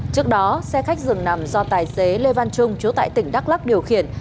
trước đó xe khách dường nằm do tài xế lê văn trung trú tại tỉnh đắc lắc điều khiển